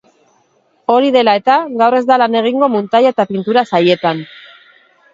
Hori dela eta, gaur ez da lan egingo muntaia eta pintura sailetan.